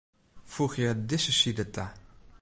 Foegje dizze side ta.